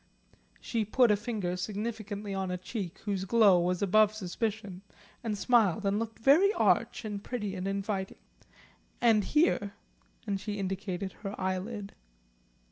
She put a finger significantly on a cheek whose glow was above suspicion, and smiled and looked very arch and pretty and inviting. "And here," and she indicated her eyelid.